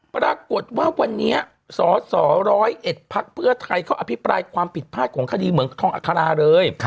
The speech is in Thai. ปรากฏว่าวันนี้สสร้อยเอ็ดพักเพื่อไทยเขาอภิปรายความผิดพลาดของคดีเหมืองทองอัคราเลย